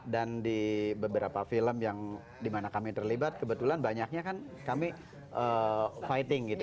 dan di beberapa film yang dimana kami terlibat kebetulan banyaknya kan kami fighting gitu